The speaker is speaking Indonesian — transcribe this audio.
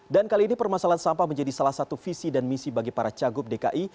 dan kali ini permasalahan sampah menjadi salah satu visi dan misi bagi para cagup dki